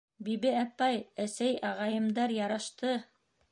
— Биби апай, әсәй, ағайымдар ярашты!..